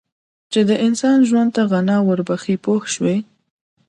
چې د انسان ژوند ته غنا ور بخښي پوه شوې!.